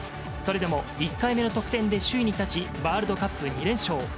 それでも、１回目の得点で首位に立ち、ワールドカップ２連勝。